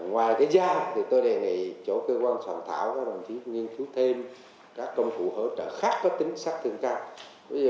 ngoài cái giao thì tôi đề nghị chỗ cơ quan sản thảo có đồng chí nghiên cứu thêm các công cụ hỗ trợ khác có tính sát thương cao